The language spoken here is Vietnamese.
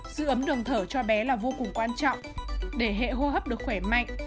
giữ ấm đường thở cho bé là vô cùng quan trọng để hệ hô hấp được khỏe mạnh